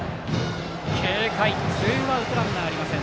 軽快にさばいてツーアウトランナーありません。